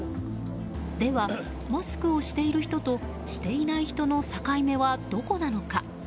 では、マスクをしている人としていない人のサカイ目はどこなのか？